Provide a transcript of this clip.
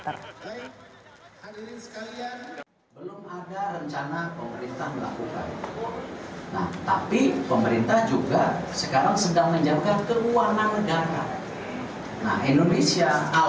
tapi pemerintah juga sekarang sedang menjaga keuangan negara